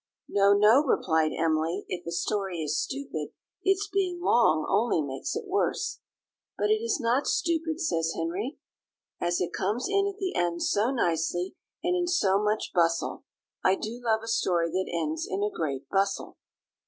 "No, no!" replied Emily; "if a story is stupid, its being long only makes it worse." "But it is not stupid," says Henry, "as it comes in at the end so nicely, and in so much bustle. I do love a story that ends in a great bustle."